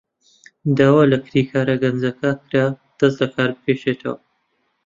داوا لە کرێکارە گەنجەکە کرا دەست لەکار بکێشێتەوە.